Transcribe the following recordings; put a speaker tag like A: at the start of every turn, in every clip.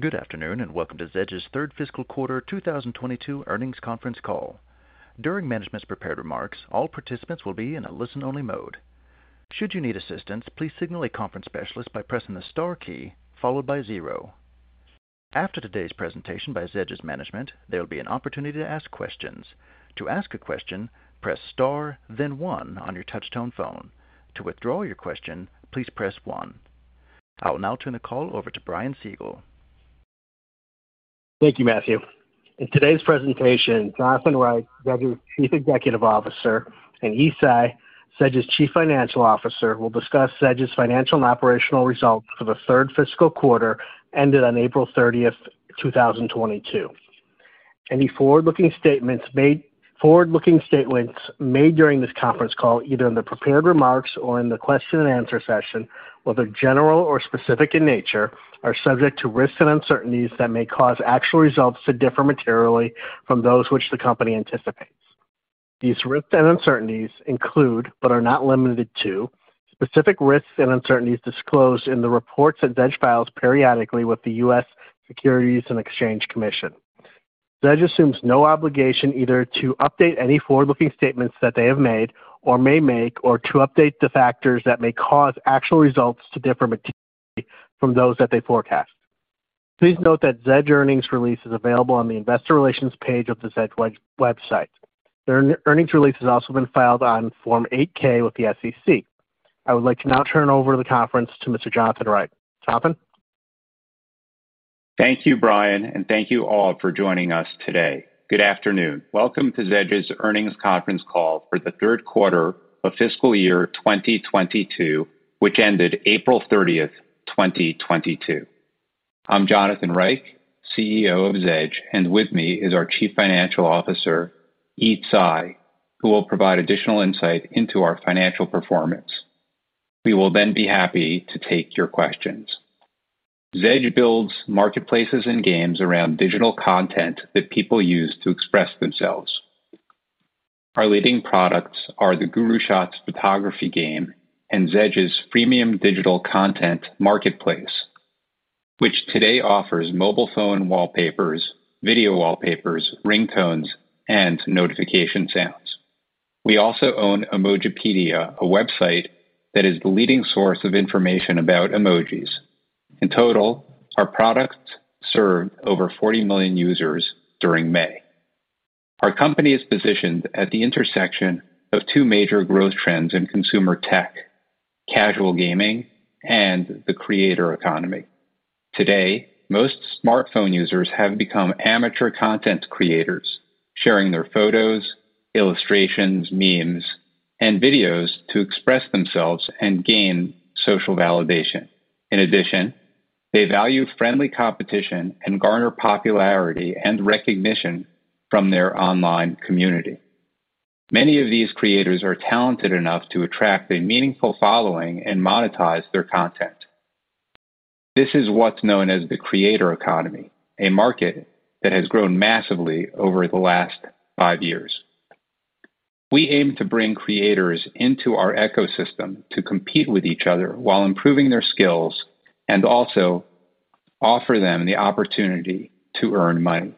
A: Good afternoon, and welcome to Zedge's third fiscal quarter 2022 earnings conference call. During management's prepared remarks, all participants will be in a listen-only mode. Should you need assistance, please signal a conference specialist by pressing the star key followed by zero. After today's presentation by Zedge's management, there'll be an opportunity to ask questions. To ask a question, press star then one on your touchtone phone. To withdraw your question, please press one. I will now turn the call over to Brian Siegel.
B: Thank you, Matthew. In today's presentation, Jonathan Reich, Zedge's Chief Executive Officer, and Yi Tsai, Zedge's Chief Financial Officer, will discuss Zedge's financial and operational results for the third fiscal quarter ended on April 30, 2022. Any forward-looking statements made during this conference call, either in the prepared remarks or in the question and answer session, whether general or specific in nature, are subject to risks and uncertainties that may cause actual results to differ materially from those which the company anticipates. These risks and uncertainties include, but are not limited to, specific risks and uncertainties disclosed in the reports that Zedge files periodically with the U.S. Securities and Exchange Commission. Zedge assumes no obligation either to update any forward-looking statements that they have made or may make or to update the factors that may cause actual results to differ materially from those that they forecast. Please note that Zedge earnings release is available on the investor relations page of the Zedge website. Their earnings release has also been filed on Form 8-K with the SEC. I would like to now turn over the conference to Mr. Jonathan Reich. Jonathan?
C: Thank you, Brian, and thank you all for joining us today. Good afternoon. Welcome to Zedge's earnings conference call for the Q3 of fiscal year 2022, which ended April 30, 2022. I'm Jonathan Reich, CEO of Zedge, and with me is our Chief Financial Officer, Yi Tsai, who will provide additional insight into our financial performance. We will then be happy to take your questions. Zedge builds marketplaces and games around digital content that people use to express themselves. Our leading products are the GuruShots photography game and Zedge's freemium digital content marketplace, which today offers mobile phone wallpapers, video wallpapers, ringtones, and notification sounds. We also own Emojipedia, a website that is the leading source of information about emojis. In total, our products served over 40 million users during May. Our company is positioned at the intersection of two major growth trends in consumer tech, casual gaming and the creator economy. Today, most smartphone users have become amateur content creators, sharing their photos, illustrations, memes, and videos to express themselves and gain social validation. In addition, they value friendly competition and garner popularity and recognition from their online community. Many of these creators are talented enough to attract a meaningful following and monetize their content. This is what's known as the creator economy, a market that has grown massively over the last five years. We aim to bring creators into our ecosystem to compete with each other while improving their skills and also offer them the opportunity to earn money.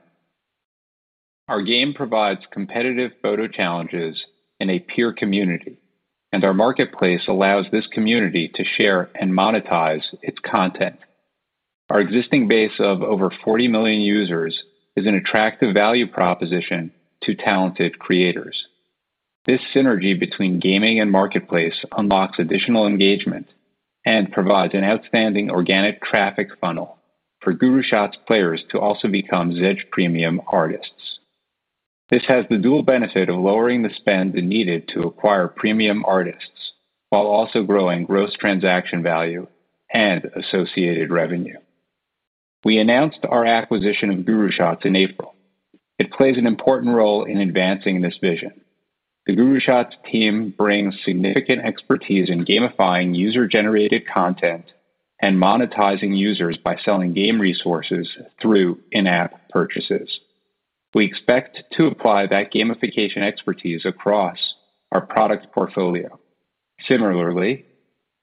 C: Our game provides competitive photo challenges in a peer community, and our marketplace allows this community to share and monetize its content. Our existing base of over 40 million users is an attractive value proposition to talented creators. This synergy between gaming and marketplace unlocks additional engagement and provides an outstanding organic traffic funnel for GuruShots players to also become Zedge Premium artists. This has the dual benefit of lowering the spend needed to acquire premium artists while also growing gross transaction value and associated revenue. We announced our acquisition of GuruShots in April. It plays an important role in advancing this vision. The GuruShots team brings significant expertise in gamifying user-generated content and monetizing users by selling game resources through in-app purchases. We expect to apply that gamification expertise across our product portfolio. Similarly,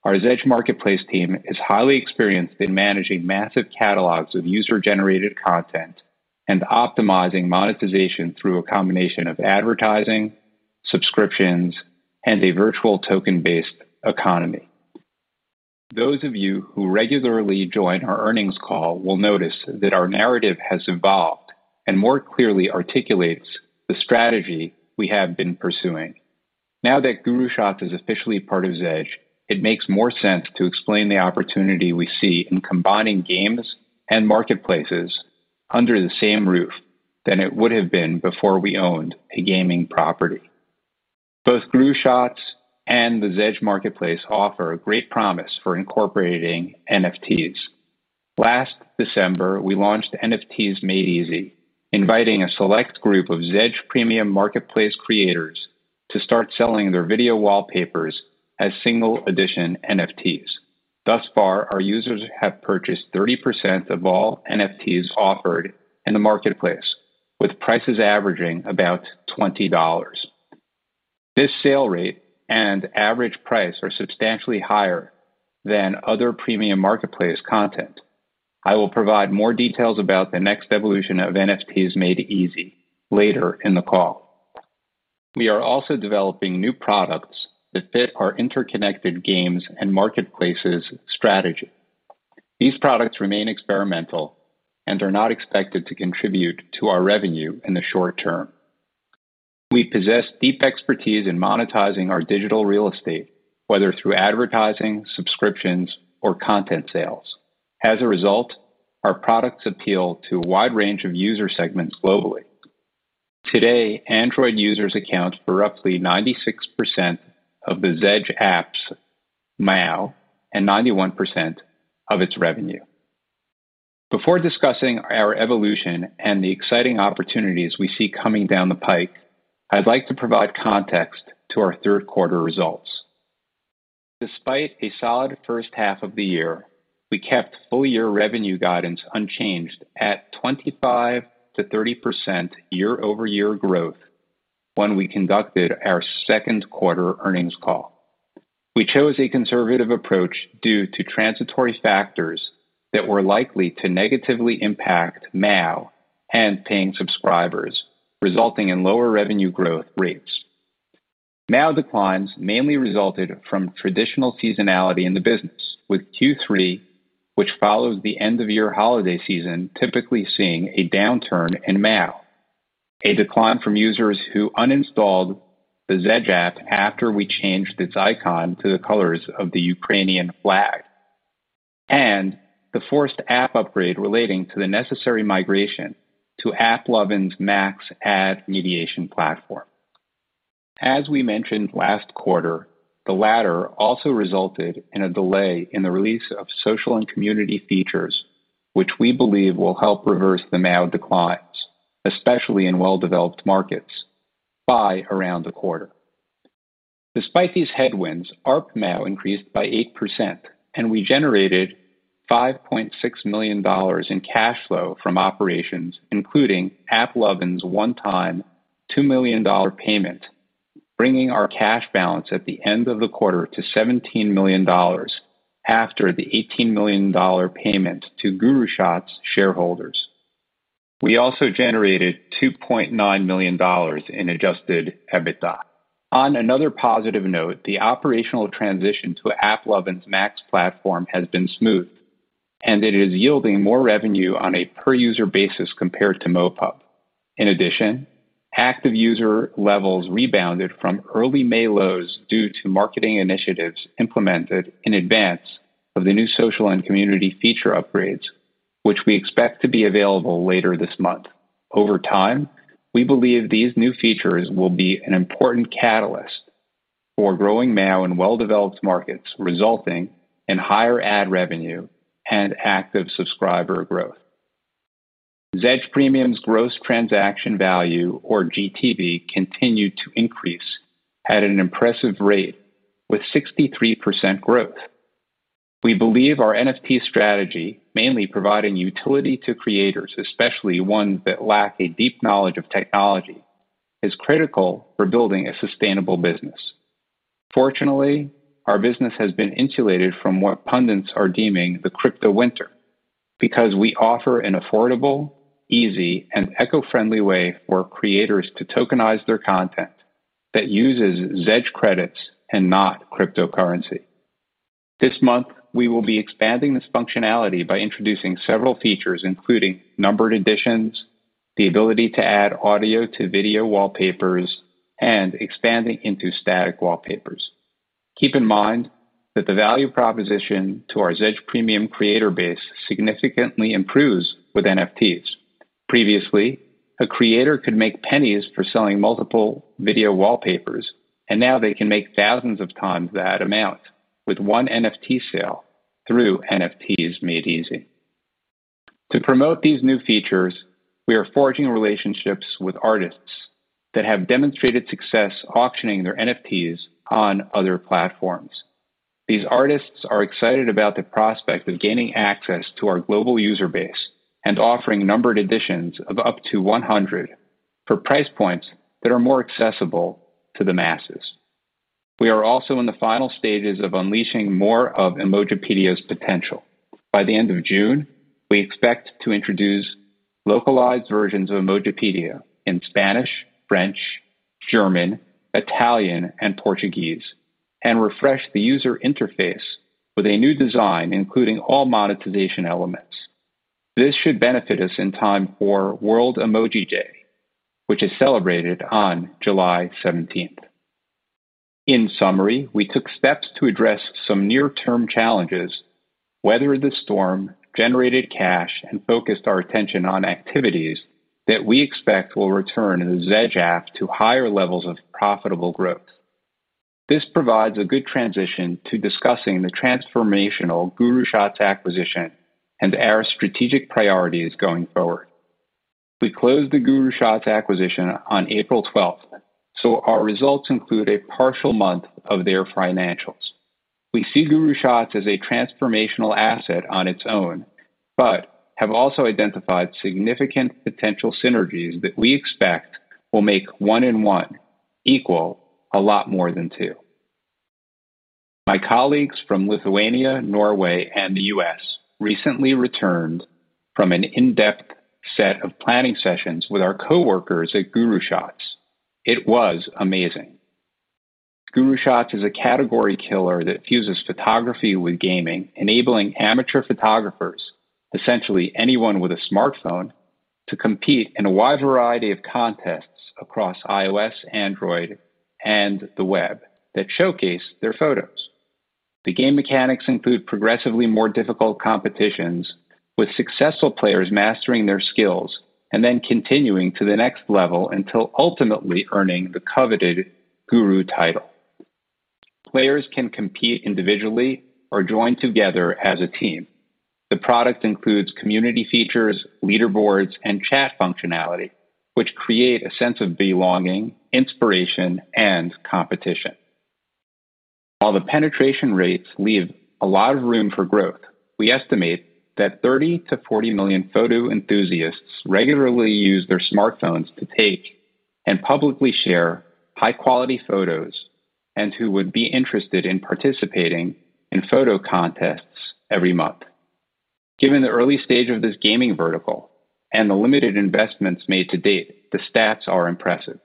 C: our Zedge Marketplace team is highly experienced in managing massive catalogs of user-generated content and optimizing monetization through a combination of advertising, subscriptions, and a virtual token-based economy. Those of you who regularly join our earnings call will notice that our narrative has evolved and more clearly articulates the strategy we have been pursuing. Now that GuruShots is officially part of Zedge, it makes more sense to explain the opportunity we see in combining games and marketplaces under the same roof than it would have been before we owned a gaming property. Both GuruShots and the Zedge Marketplace offer great promise for incorporating NFTs. Last December, we launched NFTs Made Easy, inviting a select group of Zedge Premium marketplace creators to start selling their video wallpapers as single edition NFTs. Thus far, our users have purchased 30% of all NFTs offered in the marketplace, with prices averaging about $20. This sale rate and average price are substantially higher than other Premium marketplace content. I will provide more details about the next evolution of NFTs Made Easy later in the call. We are also developing new products that fit our interconnected games and marketplaces strategy. These products remain experimental and are not expected to contribute to our revenue in the short term. We possess deep expertise in monetizing our digital real estate, whether through advertising, subscriptions, or content sales. As a result, our products appeal to a wide range of user segments globally. Today, Android users account for roughly 96% of the Zedge app's MAU and 91% of its revenue. Before discussing our evolution and the exciting opportunities we see coming down the pike, I'd like to provide context to our Q3 results. Despite a solid H1 of the year, we kept full year revenue guidance unchanged at 25%-30% year-over-year growth when we conducted our Q2 earnings call. We chose a conservative approach due to transitory factors that were likely to negatively impact MAU and paying subscribers, resulting in lower revenue growth rates. MAU declines mainly resulted from traditional seasonality in the business with Q3, which follows the end of year holiday season, typically seeing a downturn in MAU, a decline from users who uninstalled the Zedge app after we changed its icon to the colors of the Ukrainian flag, and the forced app upgrade relating to the necessary migration to AppLovin's Max ad mediation platform. As we mentioned last quarter, the latter also resulted in a delay in the release of social and community features, which we believe will help reverse the MAU declines, especially in well-developed markets by the end of the quarter. Despite these headwinds, ARPDAU increased by 8% and we generated $5.6 million in cash flow from operations, including AppLovin's one-time $2 million payment, bringing our cash balance at the end of the quarter to $17 million after the $18 million payment to GuruShots shareholders. We also generated $2.9 million in adjusted EBITDA. On another positive note, the operational transition to AppLovin's Max platform has been smooth, and it is yielding more revenue on a per user basis compared to MoPub. In addition, active user levels rebounded from early May lows due to marketing initiatives implemented in advance of the new social and community feature upgrades, which we expect to be available later this month. Over time, we believe these new features will be an important catalyst for growing MAU in well-developed markets, resulting in higher ad revenue and active subscriber growth. Zedge Premium's gross transaction value, or GTV, continued to increase at an impressive rate with 63% growth. We believe our NFT strategy, mainly providing utility to creators, especially one that lack a deep knowledge of technology, is critical for building a sustainable business. Fortunately, our business has been insulated from what pundits are deeming the crypto winter because we offer an affordable, easy, and eco-friendly way for creators to tokenize their content that uses Zedge credits and not cryptocurrency. This month, we will be expanding this functionality by introducing several features, including numbered editions, the ability to add audio to video wallpapers, and expanding into static wallpapers. Keep in mind that the value proposition to our Zedge Premium creator base significantly improves with NFTs. Previously, a creator could make pennies for selling multiple video wallpapers, and now they can make thousands of times that amount with one NFT sale through NFTs Made Easy. To promote these new features, we are forging relationships with artists that have demonstrated success auctioning their NFTs on other platforms. These artists are excited about the prospect of gaining access to our global user base and offering numbered editions of up to 100 for price points that are more accessible to the masses. We are also in the final stages of unleashing more of Emojipedia's potential. By the end of June, we expect to introduce localized versions of Emojipedia in Spanish, French, German, Italian, and Portuguese, and refresh the user interface with a new design, including all monetization elements. This should benefit us in time for World Emoji Day, which is celebrated on July 17. In summary, we took steps to address some near term challenges, weather the storm, generated cash, and focused our attention on activities that we expect will return the Zedge app to higher levels of profitable growth. This provides a good transition to discussing the transformational GuruShots acquisition and our strategic priorities going forward. We closed the GuruShots acquisition on April 12, so our results include a partial month of their financials. We see GuruShots as a transformational asset on its own, but have also identified significant potential synergies that we expect will make one and one equal a lot more than two. My colleagues from Lithuania, Norway, and the U.S. recently returned from an in-depth set of planning sessions with our coworkers at GuruShots. It was amazing. GuruShots is a category killer that fuses photography with gaming, enabling amateur photographers, essentially anyone with a smartphone, to compete in a wide variety of contests across iOS, Android, and the web that showcase their photos. The game mechanics include progressively more difficult competitions, with successful players mastering their skills and then continuing to the next level until ultimately earning the coveted Guru title. Players can compete individually or join together as a team. The product includes community features, leaderboards, and chat functionality, which create a sense of belonging, inspiration and competition. While the penetration rates leave a lot of room for growth, we estimate that 30-40 million photo enthusiasts regularly use their smartphones to take and publicly share high-quality photos, and who would be interested in participating in photo contests every month. Given the early stage of this gaming vertical and the limited investments made to date, the stats are impressive.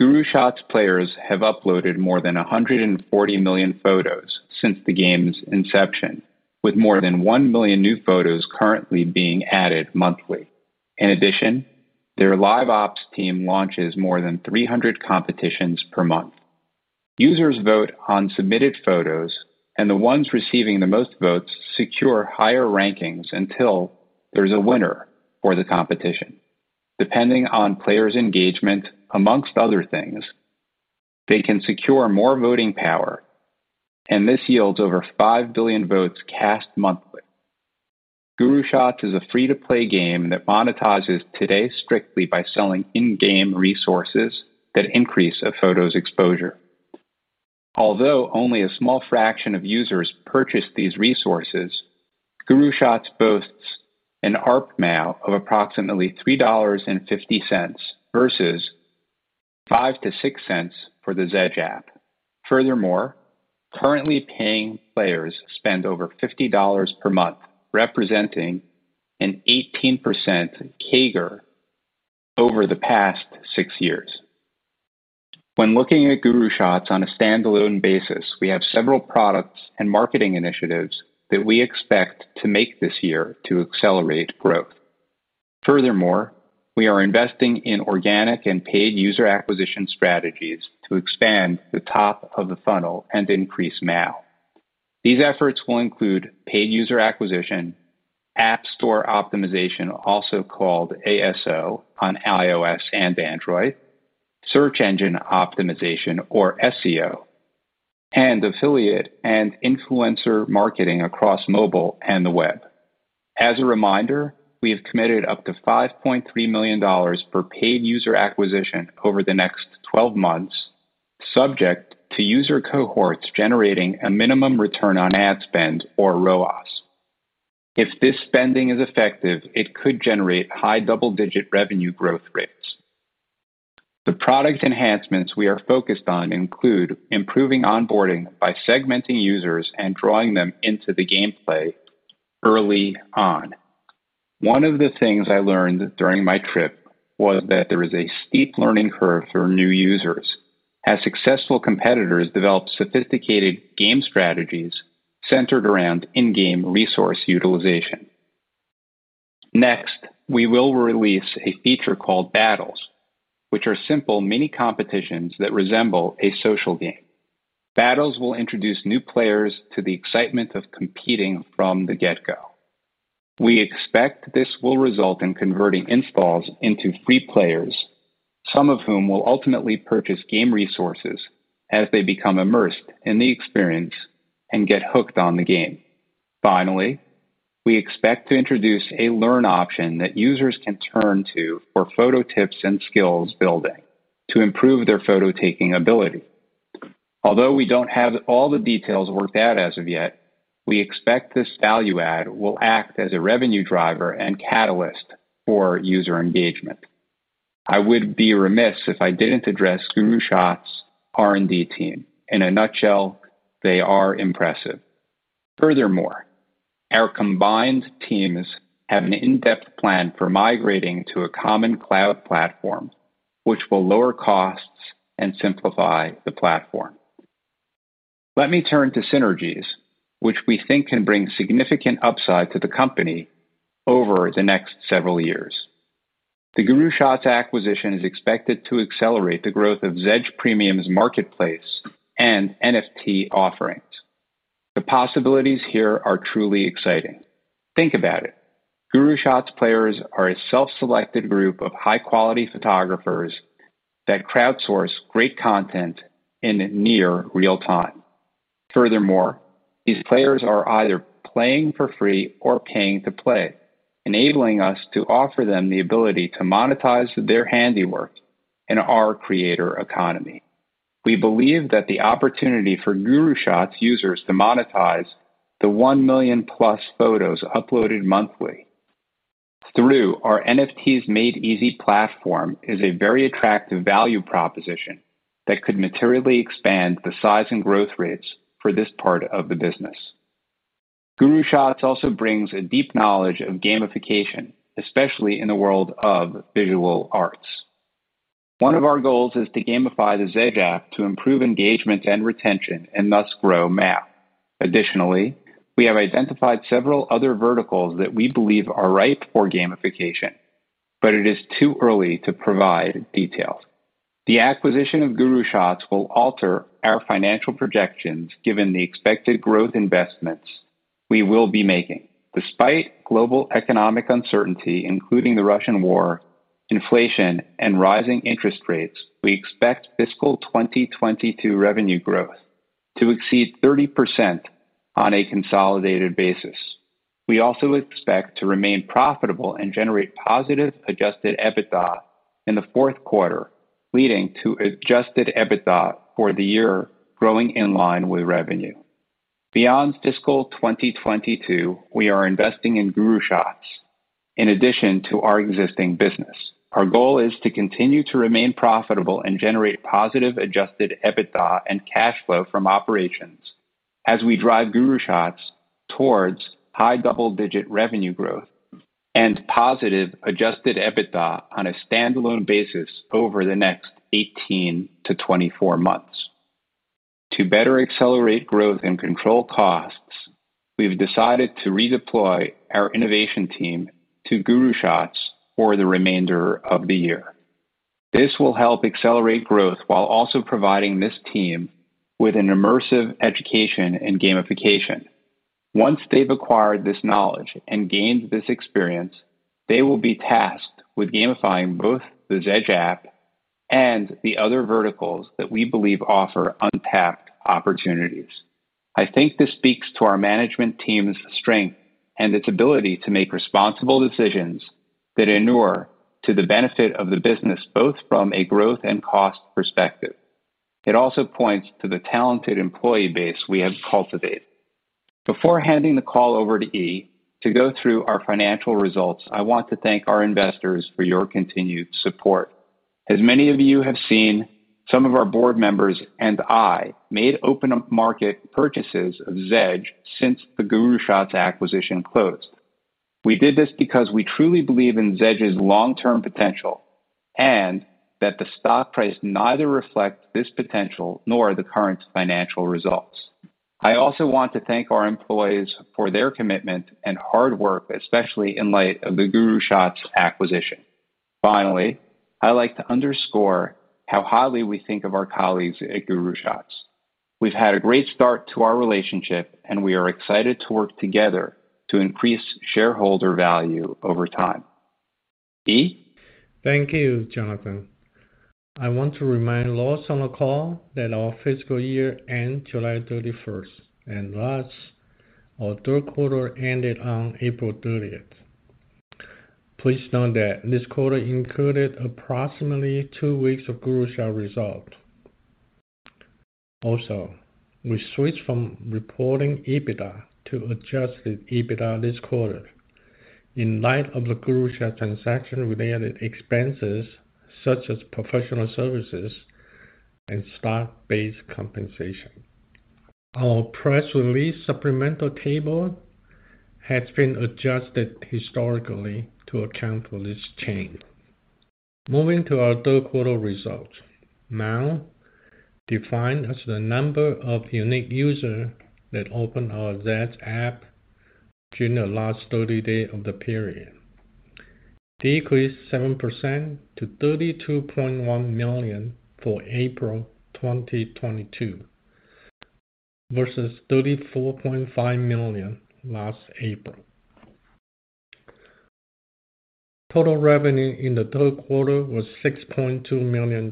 C: GuruShots players have uploaded more than 140 million photos since the game's inception, with more than 1 million new photos currently being added monthly. In addition, their LiveOps team launches more than 300 competitions per month. Users vote on submitted photos, and the ones receiving the most votes secure higher rankings until there's a winner for the competition. Depending on players' engagement, among other things, they can secure more voting power, and this yields over 5 billion votes cast monthly. GuruShots is a free-to-play game that monetizes today strictly by selling in-game resources that increase a photo's exposure. Although only a small fraction of users purchase these resources, GuruShots boasts an ARPMAU of approximately $3.50 versus $0.05-$0.06 for the Zedge app. Furthermore, currently paying players spend over $50 per month, representing an 18% CAGR over the past six years. When looking at GuruShots on a standalone basis, we have several products and marketing initiatives that we expect to make this year to accelerate growth. Furthermore, we are investing in organic and paid user acquisition strategies to expand the top of the funnel and increase MAU. These efforts will include paid user acquisition, app store optimization, also called ASO, on iOS and Android, search engine optimization, or SEO, and affiliate and influencer marketing across mobile and the web. As a reminder, we have committed up to $5.3 million for paid user acquisition over the next 12 months, subject to user cohorts generating a minimum return on ad spend or ROAS. If this spending is effective, it could generate high double-digit revenue growth rates. The product enhancements we are focused on include improving onboarding by segmenting users and drawing them into the gameplay early on. One of the things I learned during my trip was that there is a steep learning curve for new users as successful competitors develop sophisticated game strategies centered around in-game resource utilization. Next, we will release a feature called Battles, which are simple mini competitions that resemble a social game. Battles will introduce new players to the excitement of competing from the get-go. We expect this will result in converting installs into free players, some of whom will ultimately purchase game resources as they become immersed in the experience and get hooked on the game. Finally, we expect to introduce a learn option that users can turn to for photo tips and skills building to improve their photo-taking ability. Although we don't have all the details worked out as of yet, we expect this value add will act as a revenue driver and catalyst for user engagement. I would be remiss if I didn't address GuruShots' R&D team. In a nutshell, they are impressive. Furthermore, our combined teams have an in-depth plan for migrating to a common cloud platform, which will lower costs and simplify the platform. Let me turn to synergies, which we think can bring significant upside to the company over the next several years. The GuruShots acquisition is expected to accelerate the growth of Zedge Premium's marketplace and NFT offerings. The possibilities here are truly exciting. Think about it. GuruShots players are a self-selected group of high-quality photographers that crowdsource great content in near real-time. Furthermore, these players are either playing for free or paying to play, enabling us to offer them the ability to monetize their handiwork in our creator economy. We believe that the opportunity for GuruShots users to monetize the 1 million-plus photos uploaded monthly through our NFTs Made Easy platform is a very attractive value proposition that could materially expand the size and growth rates for this part of the business. GuruShots also brings a deep knowledge of gamification, especially in the world of visual arts. One of our goals is to gamify the Zedge app to improve engagement and retention, and thus grow MAU. Additionally, we have identified several other verticals that we believe are ripe for gamification, but it is too early to provide details. The acquisition of GuruShots will alter our financial projections given the expected growth investments we will be making. Despite global economic uncertainty, including the Russian War, inflation, and rising interest rates, we expect fiscal 2022 revenue growth to exceed 30% on a consolidated basis. We also expect to remain profitable and generate positive adjusted EBITDA in the Q4, leading to adjusted EBITDA for the year growing in line with revenue. Beyond fiscal 2022, we are investing in GuruShots in addition to our existing business. Our goal is to continue to remain profitable and generate positive adjusted EBITDA and cash flow from operations as we drive GuruShots towards high double-digit revenue growth and positive adjusted EBITDA on a standalone basis over the next 18-24 months. To better accelerate growth and control costs, we've decided to redeploy our innovation team to GuruShots for the remainder of the year. This will help accelerate growth while also providing this team with an immersive education in gamification. Once they've acquired this knowledge and gained this experience, they will be tasked with gamifying both the Zedge app and the other verticals that we believe offer untapped opportunities. I think this speaks to our management team's strength and its ability to make responsible decisions that inure to the benefit of the business, both from a growth and cost perspective. It also points to the talented employee base we have cultivated. Before handing the call over to Yi to go through our financial results, I want to thank our investors for your continued support. As many of you have seen, some of our board members and I made open market purchases of Zedge since the GuruShots acquisition closed. We did this because we truly believe in Zedge's long-term potential, and that the stock price neither reflects this potential nor the current financial results. I also want to thank our employees for their commitment and hard work, especially in light of the GuruShots acquisition. Finally, I'd like to underscore how highly we think of our colleagues at GuruShots. We've had a great start to our relationship, and we are excited to work together to increase shareholder value over time. Yi?
D: Thank you, Jonathan. I want to remind those on the call that our fiscal year ends July 31, and thus our Q3 ended on April 30. Please note that this quarter included approximately two weeks of GuruShots results. Also, we switched from reporting EBITDA to adjusted EBITDA this quarter in light of the GuruShots transaction related expenses such as professional services and stock-based compensation. Our press release supplemental table has been adjusted historically to account for this change. Moving to our Q3 results. MAU, defined as the number of unique users that opened our Zedge app during the last 30 days of the period, decreased 7% to 32.1 million for April 2022 versus 34.5 million last April. Total revenue in the Q3 was $6.2 million,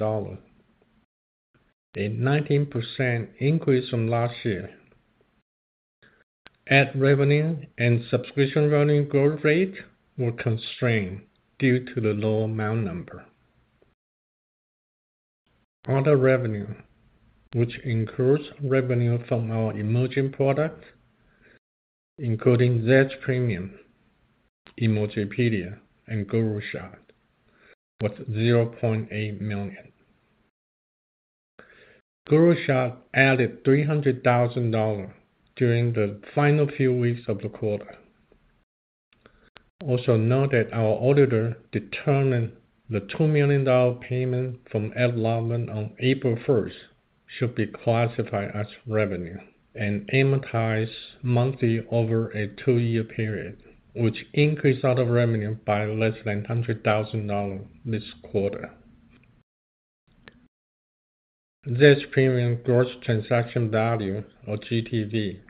D: a 19% increase from last year. Ad revenue and subscription revenue growth rate were constrained due to the lower MAU number. Other revenue, which includes revenue from our emerging products, including Zedge Premium, Emojipedia, and GuruShots, was $0.8 million. GuruShots added $300,000 during the final few weeks of the quarter. Also note that our auditor determined the $2 million payment from Ed Lavine on April first should be classified as revenue and amortized monthly over a two-year period, which increased our revenue by less than $100,000 this quarter. Zedge Premium gross transaction value, or GTV,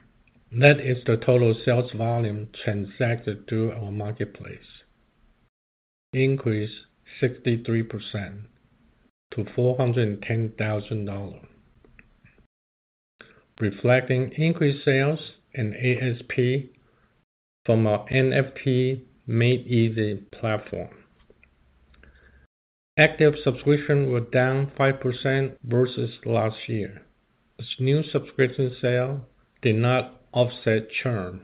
D: that is the total sales volume transacted through our marketplace, increased 63% to $410,000. Reflecting increased sales and ASP from our NFTs Made Easy platform. Active subscription were down 5% versus last year as new subscription sale did not offset churn.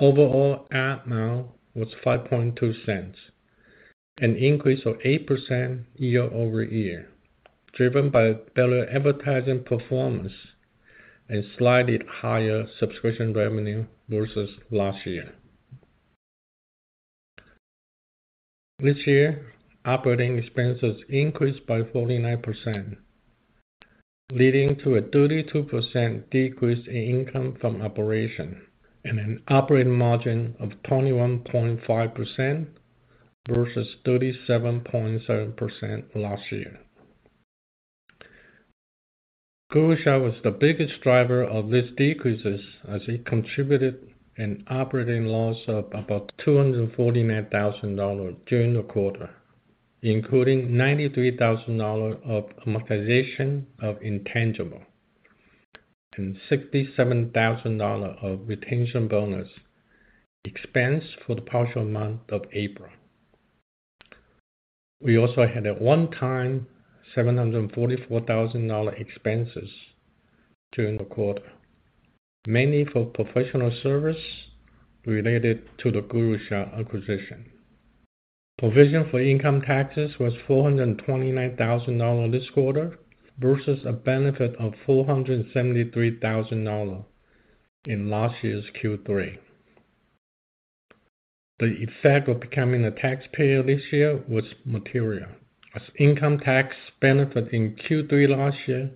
D: Overall ad amount was $0.052, an increase of 8% year-over-year, driven by better advertising performance and slightly higher subscription revenue versus last year. This year, operating expenses increased by 49%, leading to a 32% decrease in income from operations and an operating margin of 21.5% versus 37.7% last year. GuruShots was the biggest driver of this decrease as it contributed an operating loss of about $249 thousand during the quarter, including $93 thousand of amortization of intangibles and $67 thousand of retention bonus expense for the partial month of April. We also had a one-time $744 thousand expenses during the quarter, mainly for professional services related to the GuruShots acquisition. Provision for income taxes was $429 thousand this quarter versus a benefit of $473 thousand in last year's Q3. The effect of becoming a taxpayer this year was material, as income tax benefit in Q3 last year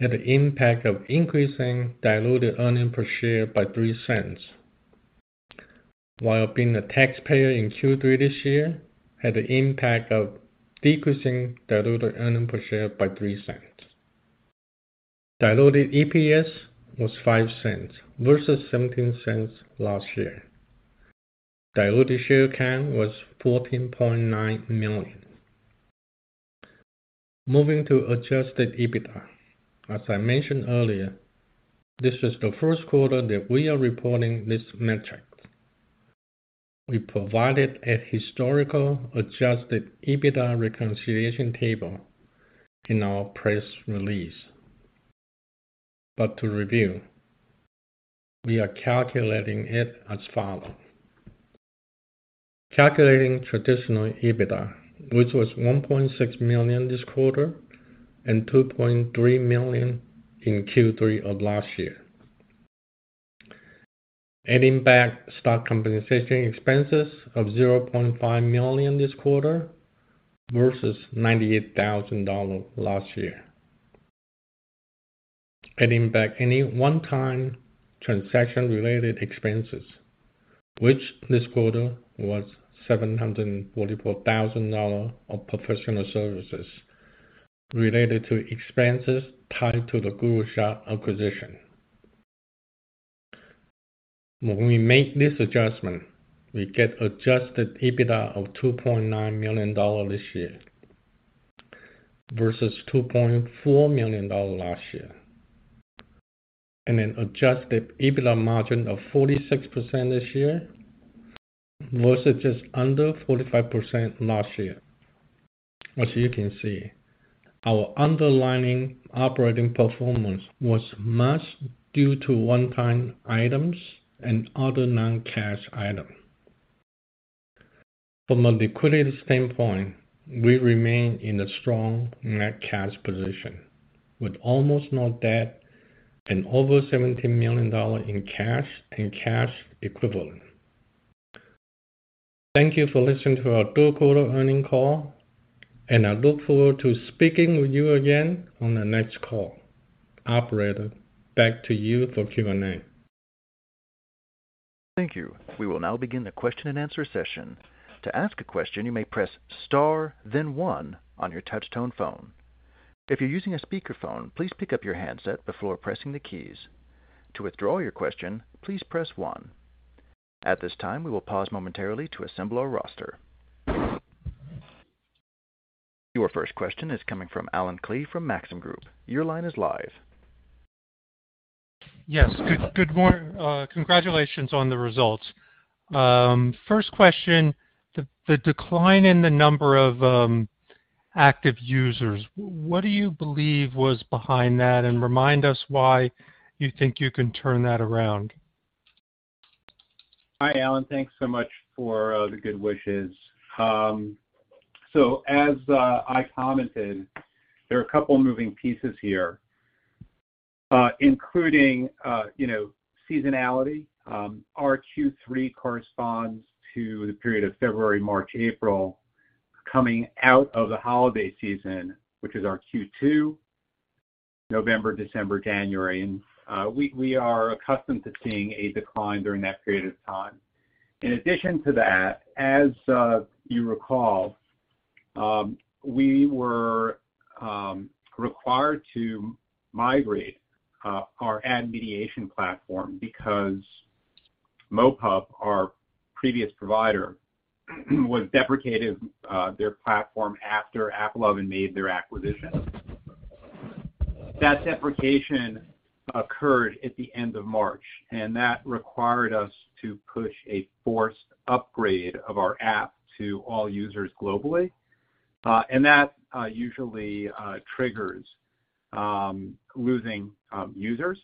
D: had an impact of increasing diluted earnings per share by $0.03, while being a taxpayer in Q3 this year had an impact of decreasing diluted earnings per share by $0.03. Diluted EPS was $0.05 versus $0.17 last year. Diluted share count was 14.9 million. Moving to adjusted EBITDA. As I mentioned earlier, this is the Q1 that we are reporting this metric. We provided a historical adjusted EBITDA reconciliation table in our press release. To review, we are calculating it as follows. Calculating traditional EBITDA, which was $1.6 million this quarter and $2.3 million in Q3 of last year. Adding back stock compensation expenses of $0.5 million this quarter versus $98,000 last year. Adding back any one-time transaction-related expenses, which this quarter was $744,000 of professional services related to expenses tied to the GuruShots acquisition. When we make this adjustment, we get adjusted EBITDA of $2.9 million this year versus $2.4 million last year, and an adjusted EBITDA margin of 46% this year versus just under 45% last year. As you can see, our underlying operating performance was masked due to one-time items and other non-cash item. From a liquidity standpoint, we remain in a strong net cash position with almost no debt and over $17 million in cash and cash equivalents. Thank you for listening to our Q3 earnings call, and I look forward to speaking with you again on the next call. Operator, back to you for Q&A.
A: Thank you. We will now begin the question-and-answer session. To ask a question, you may press star then one on your touch tone phone. If you're using a speakerphone, please pick up your handset before pressing the keys. To withdraw your question, please press one. At this time, we will pause momentarily to assemble our roster. Your first question is coming from Allen Klee from Maxim Group. Your line is live.
E: Yes. Good morning. Congratulations on the results. First question, the decline in the number of active users, what do you believe was behind that, and remind us why you think you can turn that around?
C: Hi, Allen. Thanks so much for the good wishes. As I commented, there are a couple moving pieces here, including seasonality. Our Q3 corresponds to the period of February, March, April coming out of the holiday season, which is our Q2, November, December, January. We are accustomed to seeing a decline during that period of time. In addition to that, as you recall, we were required to migrate our ad mediation platform because MoPub, our previous provider, was deprecated their platform after AppLovin made their acquisition. That deprecation occurred at the end of March, and that required us to push a forced upgrade of our app to all users globally. That usually triggers losing users.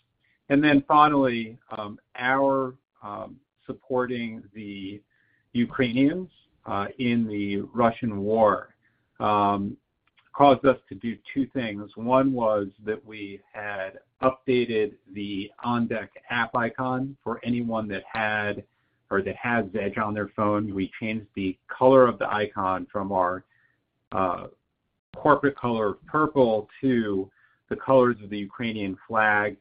C: Then finally, our supporting the Ukrainians in the Russian war caused us to do two things. One was that we had updated the Zedge app icon for anyone that had or that has Zedge on their phone. We changed the color of the icon from our corporate color of purple to the colors of the Ukrainian flag,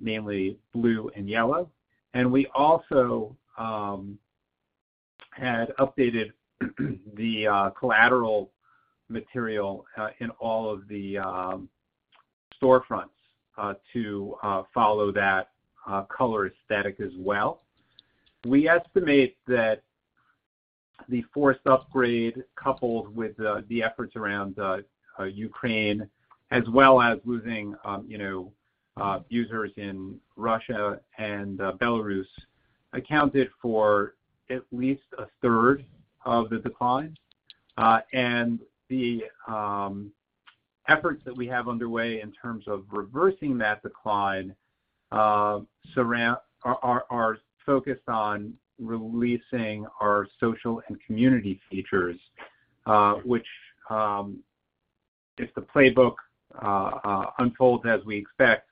C: namely blue and yellow. We also had updated the collateral material in all of the storefronts to follow that color aesthetic as well. We estimate that the forced upgrade, coupled with the efforts around Ukraine, as well as losing users in Russia and Belarus, accounted for at least a third of the decline. Efforts that we have underway in terms of reversing that decline are focused on releasing our social and community features, which, if the playbook unfolds as we expect,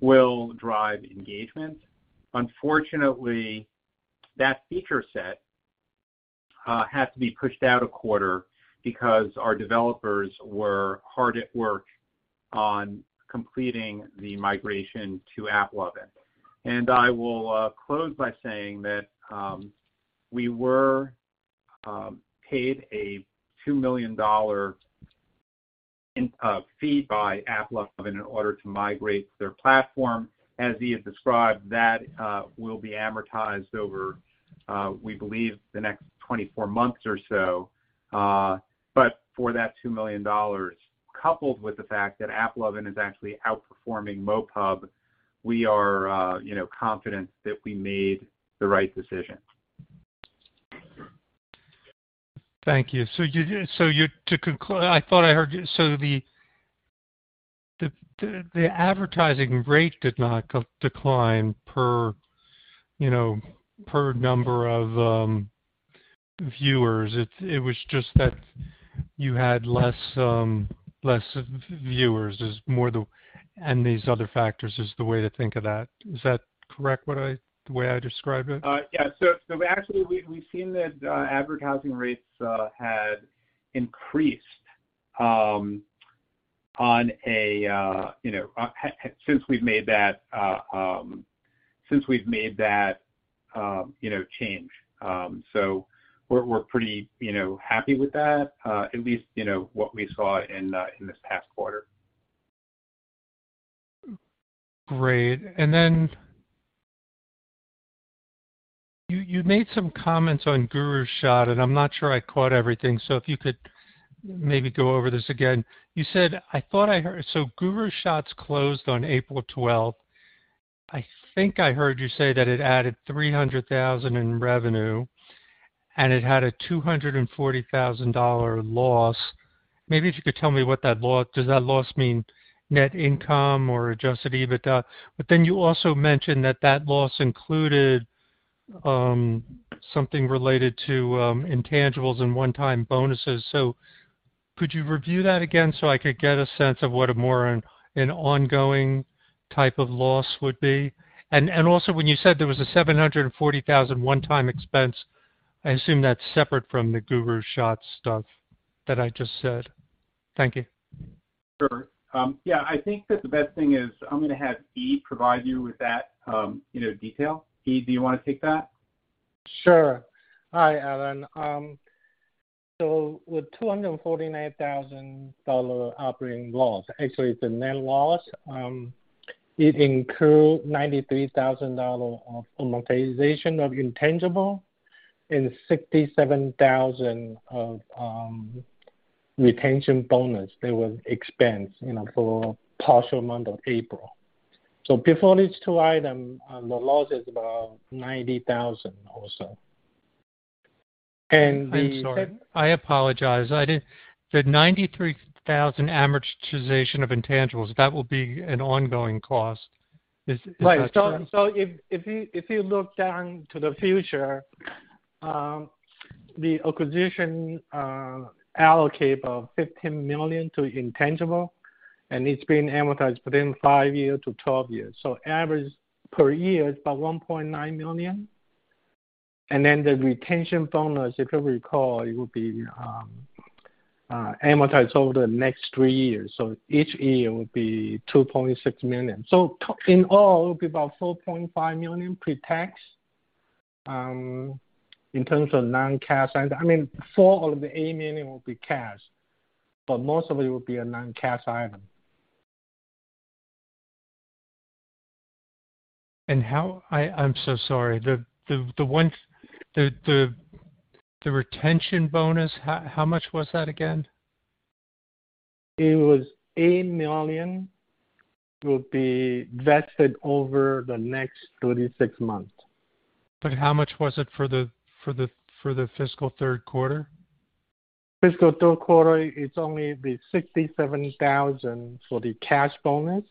C: will drive engagement. Unfortunately, that feature set had to be pushed out a quarter because our developers were hard at work on completing the migration to AppLovin. I will close by saying that we were paid a $2 million fee by AppLovin in order to migrate their platform. As Yi has described, that will be amortized over, we believe the next 24 months or so. For that $2 million, coupled with the fact that AppLovin is actually outperforming MoPub, we are confident that we made the right decision.
E: Thank you. The advertising rate did not co-decline per number of less viewers is more the, and these other factors is the way to think of that. Is that correct, the way I describe it?
C: Yeah, actually we've seen that advertising rates had increased since we've made that change. We're pretty happy with that, at least what we saw in this past quarter.
E: Great. You made some comments on GuruShots, and I'm not sure I caught everything. If you could maybe go over this again. You said, I thought I heard. GuruShots closed on April twelfth. I think I heard you say that it added $300,000 in revenue and it had a $240,000 loss. Maybe if you could tell me. Does that loss mean net income or adjusted EBITDA? You also mentioned that that loss included something related to intangibles and one-time bonuses. Could you review that again so I could get a sense of what a more an ongoing type of loss would be? Also, when you said there was a $740,000 one-time expense, I assume that's separate from the GuruShots stuff that I just said. Thank you.
C: Sure. Yeah. I think that the best thing is I'm gonna have Yi provide you with that detail. Yi, do you wanna take that?
D: Sure. Hi, Allen. With $249,000 operating loss, actually it's a net loss, it includes $93,000 of amortization of intangible and $67,000 of retention bonus. They were expense for partial month of April. Before these two item, the loss is about $90,000 or so. And the
E: I'm sorry. I apologize. The $93,000 amortization of intangibles, that will be an ongoing cost. Is that correct?
D: Right. If you look down to the future, the acquisition allocate about $15 million to intangibles, and it's being amortized within five years to twelve years. Average per year is about $1.9 million. Then the retention bonus, if you recall, it would be amortized over the next three years. Each year it would be $2.6 million. In all, it will be about $4.5 million pre-tax, in terms of non-cash item. I mean, $4 million of the $8 million will be cash, but most of it will be a non-cash item.
E: I'm so sorry. The retention bonus, how much was that again?
D: It was $8 million. It will be vested over the next 36 months.
E: How much was it for the fiscal Q3?
D: Fiscal Q3, it's only the $67,000 for the cash bonus.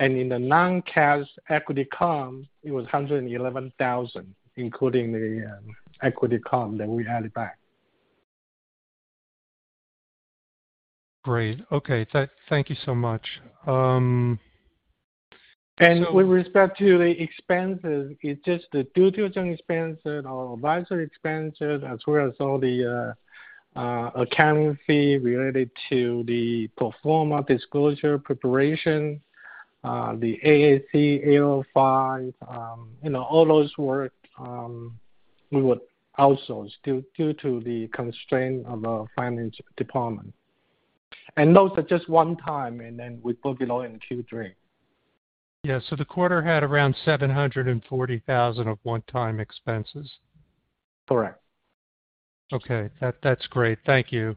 D: In the non-cash equity comp, it was $111,000, including the equity comp that we had back.
E: Great. Okay. Thank you so much.
D: With respect to the expenses, it's just the due diligence expenses, our advisory expenses, as well as all the accounting fee related to the pro forma disclosure preparation, the ASC 805 all those work we would outsource due to the constraint of our finance department. Those are just one time, and then we book it all in Q3.
E: Yeah. The quarter had around $740,000 of one-time expenses.
D: Correct.
E: Okay. That's great. Thank you.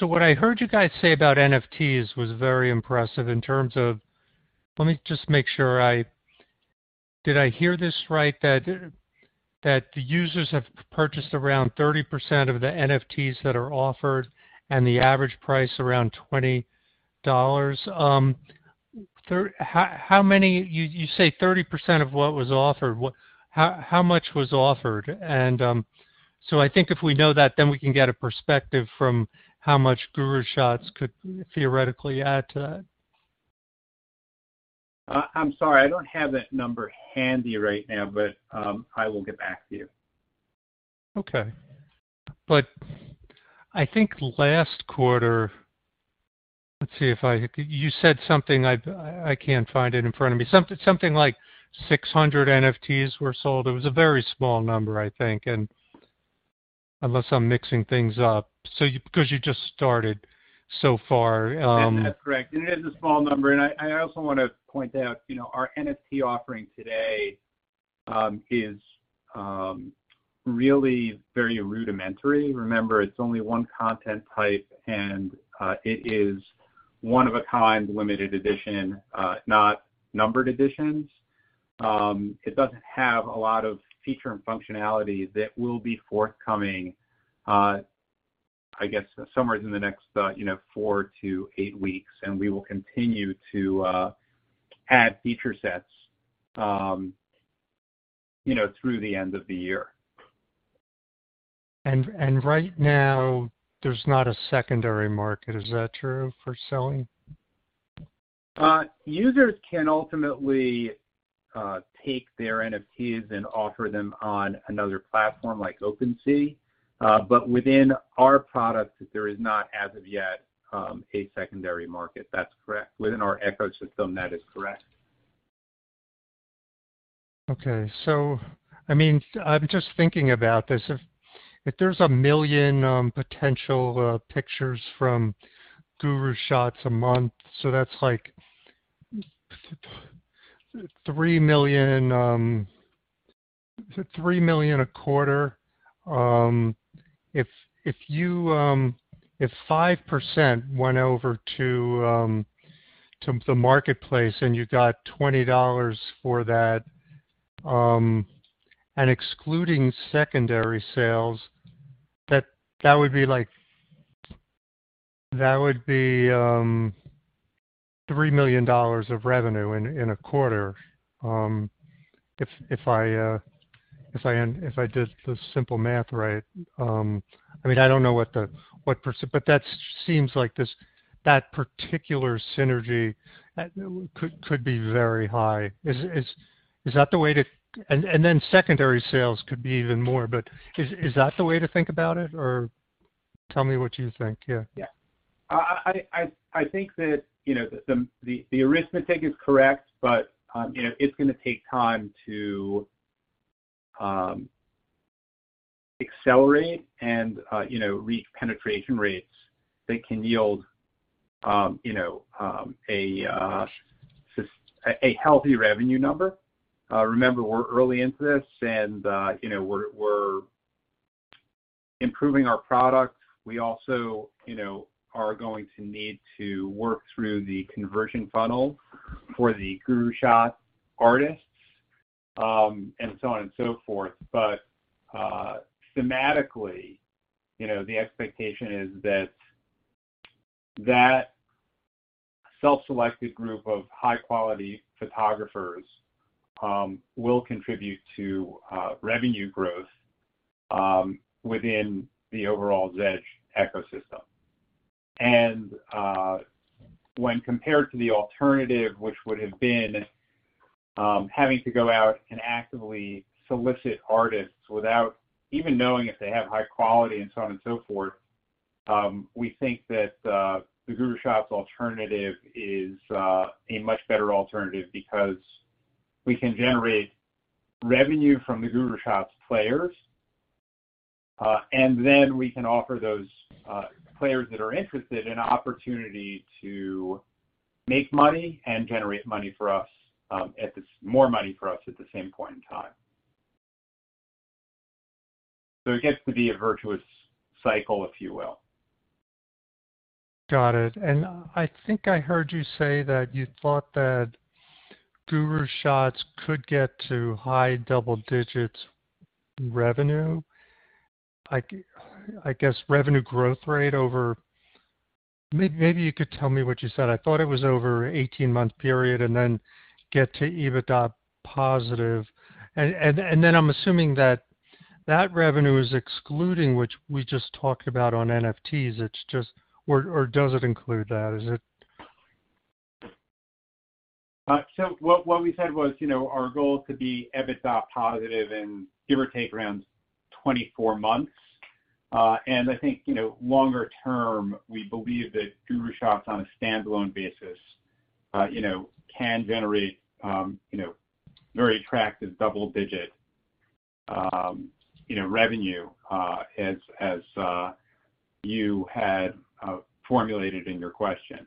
E: What I heard you guys say about NFTs was very impressive. Let me just make sure I. Did I hear this right? That the users have purchased around 30% of the NFTs that are offered and the average price around $20. How many. You say 30% of what was offered. What. How much was offered? I think if we know that, then we can get a perspective from how much GuruShots could theoretically add to that.
C: I'm sorry. I don't have that number handy right now, but I will get back to you.
E: Okay. I think last quarter. You said something, I can't find it in front of me. Something like 600 NFTs were sold. It was a very small number, I think, and unless I'm mixing things up. Because you just started so far.
C: That's correct. It is a small number. I also wanna point out our NFT offering today is really very rudimentary. Remember, it's only one content type, and it is one of a kind limited edition, not numbered editions. It doesn't have a lot of feature and functionality that will be forthcoming, I guess somewhere in the next four-eight weeks. We will continue to add feature sets through the end of the year.
E: Right now, there's not a secondary market. Is that true for selling?
C: Users can ultimately take their NFTs and offer them on another platform like OpenSea. Within our product, there is not as of yet a secondary market. That's correct. Within our ecosystem, that is correct.
E: Okay. I mean, I'm just thinking about this. If there's 1 million potential pictures from GuruShots a month, that's like 3 million a quarter. If 5% went over to the marketplace and you got $20 for that and excluding secondary sales, that would be $3 million of revenue in a quarter if I did the simple math right. I mean, I don't know what the percentage. But that seems like that particular synergy could be very high. Is that the way to think about it. Then secondary sales could be even more, but is that the way to think about it. Or tell me what you think. Yeah.
C: Yeah. I think that the arithmetic is correct, but it's gonna take time to accelerate and reach penetration rates that can yield a healthy revenue number. Remember we're early into this and we're improving our product. We also, are going to need to work through the conversion funnel for the GuruShots artists and so on and so forth. Thematically the expectation is that that self-selected group of high-quality photographers will contribute to revenue growth within the overall Zedge ecosystem. When compared to the alternative, which would have been having to go out and actively solicit artists without even knowing if they have high quality and so on and so forth, we think that the GuruShots alternative is a much better alternative because we can generate revenue from the GuruShots players, and then we can offer those players that are interested an opportunity to make money and generate money for us, more money for us at the same point in time. It gets to be a virtuous cycle, if you will.
E: Got it. I think I heard you say that you thought that GuruShots could get to high double digits in revenue. I guess revenue growth rate over maybe you could tell me what you said. I thought it was over 18-month period and then get to EBITDA positive. I'm assuming that that revenue is excluding, which we just talked about on NFTs. It's just or does it include that? Is it
C: What we said was our goal is to be EBITDA positive in give or take around 24 months. I think longer term, we believe that GuruShots on a standalone basis can generate very attractive double-digit revenue, as you had formulated in your question.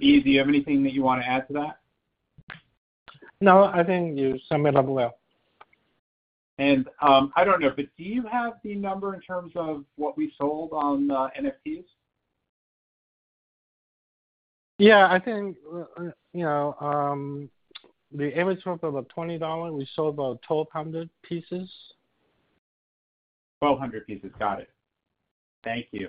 C: Yi, do you have anything that you wanna add to that?
D: No, I think you summed it up well.
C: I don't know, but do you have the number in terms of what we sold on, NFTs?
D: Yeah, I think the average was about $20. We sold about 1,200 pieces.
C: 1,200 pieces. Got it. Thank you.